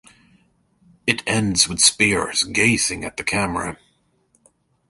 It ends with Spears gazing at the camera.